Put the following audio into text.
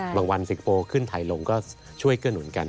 วันสิงคโปร์ขึ้นไทยลงก็ช่วยเกื้อหนุนกัน